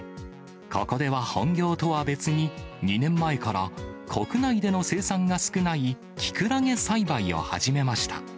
ここでは本業とは別に、２年前から国内での生産が少ないきくらげ栽培を始めました。